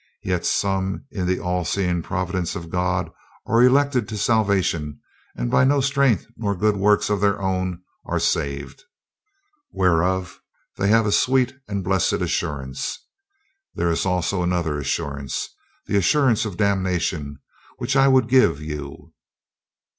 Yet some in the all seeing providence of God are elected to salvation and by no strength nor good works of their own are saved. Whereof they have a sweet and blessed assurance. There is also another assurance, the assurance of damnation, which I would give you."